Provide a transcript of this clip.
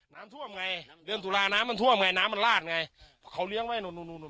น้ำท่วมไงเดือนตุลาน้ำมันท่วมไงน้ำมันลาดไงเขาเลี้ยงไว้นู่น